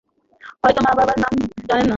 হয়তো মা-বাবার নাম জানেন না।